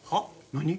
何？